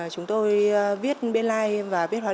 chúng tôi viết bê lai và viết hóa đơn